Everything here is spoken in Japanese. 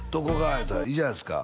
言うたら「いいじゃないですか」